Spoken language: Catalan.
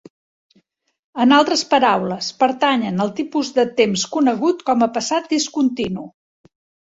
En altres paraules, pertanyen al tipus de temps conegut com a passat discontinu.